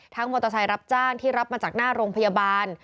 มอเตอร์ไซค์รับจ้างที่รับมาจากหน้าโรงพยาบาล